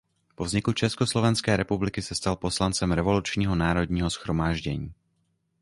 Po vzniku Československé republiky se stal poslancem Revolučního národního shromáždění.